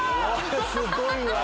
すごいわ！